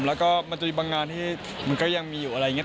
แล้วก็มันจะมีบางงานที่มันก็ยังมีอยู่อะไรอย่างนี้